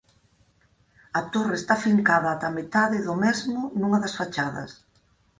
A torre está fincada ata a metade do mesmo nunha das fachadas.